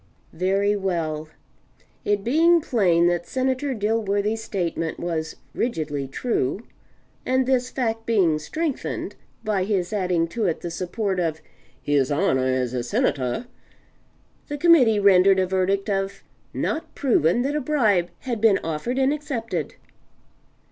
Very well. It being plain that Senator Dilworthy's statement was rigidly true, and this fact being strengthened by his adding to it the support of "his honor as a Senator," the Committee rendered a verdict of "Not proven that a bribe had been offered and accepted."